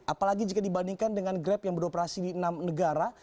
apalagi jika dibandingkan dengan grab yang beroperasi di enam negara